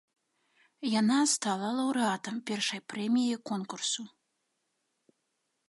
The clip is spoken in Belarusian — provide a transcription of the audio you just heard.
Яна стала лаўрэатам першай прэміяй конкурсу.